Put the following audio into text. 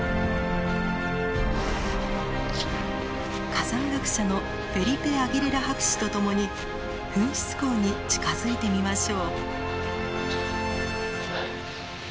火山学者のフェリペ・アギレラ博士と共に噴出口に近づいてみましょう。